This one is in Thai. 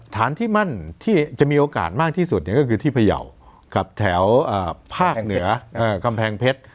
ฐานที่มั่นที่จะมีโอกาสมากที่สุดก็คือที่พยาวกับแถวภาคเหนือกำแพงเพชร